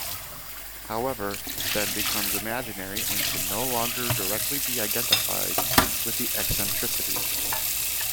However, then becomes imaginary and can no longer directly be identified with the eccentricity.